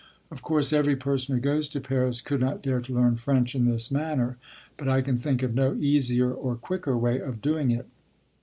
Of course, every person who goes to Paris could not dare to learn French in this manner, but I can think of no easier or quicker way of doing it.